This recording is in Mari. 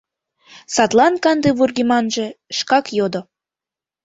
Садлан канде вургеманже шкак йодо: